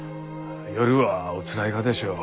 夜はおつらいがでしょう。